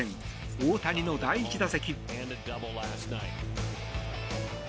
大谷の第１打席。